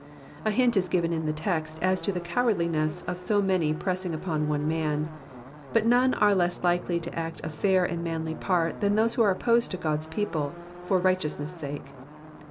A hint is given in the text as to the cowardliness of so many pressing upon one man ; but none are less likely to act a fair and manly part than those who are opposed to God*s people for righteousness' sake.